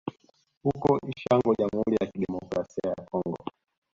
Huko Ishango Jamhuri ya Kidemokrasia ya Kongo